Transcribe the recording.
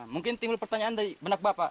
mungkin timbul pertanyaan dari benak bapak